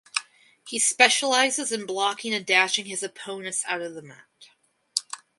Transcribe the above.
He specializes in blocking and dashing his opponents out of the mat.